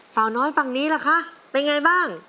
สาวน้อยฝั่งนี้ล่ะคะเป็นไงบ้าง